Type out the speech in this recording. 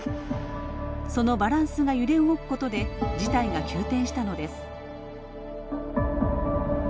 そのバランスが揺れ動くことで事態が急転したのです。